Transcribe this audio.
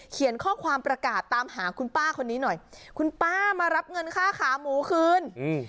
เขียนข้อความประกาศตามหาคุณป้าคนนี้หน่อยคุณป้ามารับเงินค่าขาหมูคืน